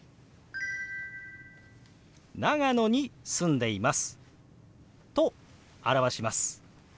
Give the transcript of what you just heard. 「長野に住んでいます」と表します。